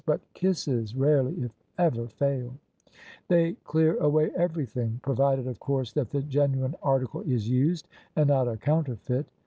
But kisses rarely if ever fail: they clear away everything, pro vided, of course, that the genuine article is used, and not a counterfeit.